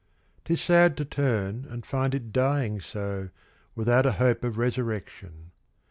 'Tis sad to turn and find it dying so, Without a hope of resurrection!